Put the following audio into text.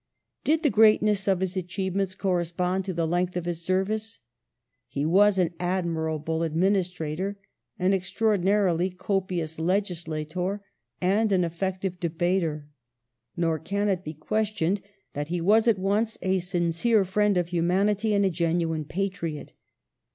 Did the greatness of his achievements con espond to the length of his service? He was an admirable administrator, an extra ordinarily copious legislator, and an effective debater. Nor can it be questioned that he was at once a sincere friend of humanity and a genuine patriot.